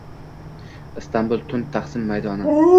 Istanbul. Tun. Taqsim maydoni.